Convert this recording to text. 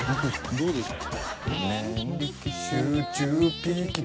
どうですか？